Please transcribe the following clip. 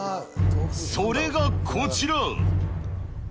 それがこちら。